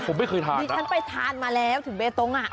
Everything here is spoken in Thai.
ผมไม่เคยทานดิฉันไปทานมาแล้วถึงเบตงอ่ะ